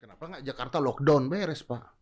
kenapa nggak jakarta lockdown beres pak